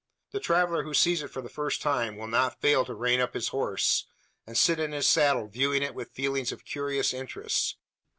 The traveller who sees it for the first time will not fail to rein up his horse, and sit in his saddle, viewing it with feelings of curious interest.